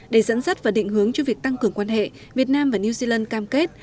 để dẫn dắt và định hướng cho việc tăng cường quan hệ việt nam và new zealand cam kết